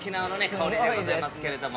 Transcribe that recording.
香りでございますけれども。